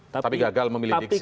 tapi gagal memilih diksi